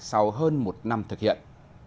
sau hơn một năm thực hiện